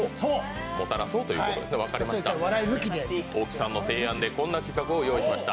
大木さんの提案でこんな企画を作りました。